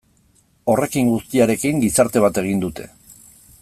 Horrekin guztiarekin gizarte bat egin dute.